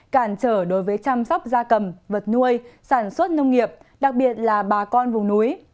cản trở đối với chăm sóc da cầm vật nuôi sản xuất nông nghiệp đặc biệt là bà con vùng núi